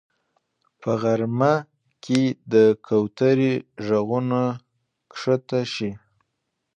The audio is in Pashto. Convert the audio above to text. په غرمه کې د کوترې غږونه ښکته شي